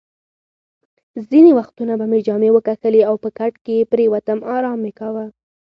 ځینې وختونه به مې جامې وکښلې او په کټ کې پرېوتم، ارام مې کاوه.